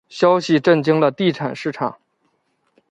消息震惊了地产市场。